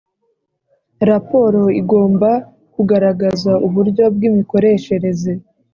raporo igomba kugaragaza uburyo bw’imikoreshereze